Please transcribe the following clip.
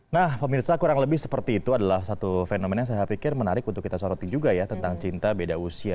nah pemirsa kurang lebih seperti itu adalah satu fenomena yang saya pikir menarik untuk kita soroti juga ya tentang cinta beda usia